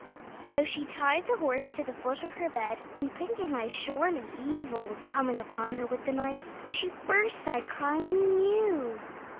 So she tied the horse to the foot of her bed, and, thinking how surely evil was coming upon her with the night, she burst out crying anew.